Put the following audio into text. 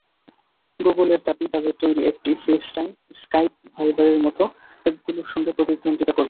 গুগলের দাবি, তাদের তৈরি অ্যাপটি ফেসটাইম, স্কাইপ, ভাইবারের মতো অ্যাপগুলোর সঙ্গে প্রতিদ্বন্দ্বিতা করবে।